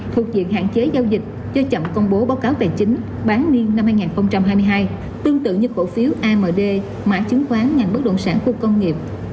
thuộc diện hạn chế giao dịch cho chậm công bố báo cáo tài chính bán niên năm hai nghìn hai mươi hai tương tự như cổ phiếu amd mã chứng khoán ngành bất động sản khu công nghiệp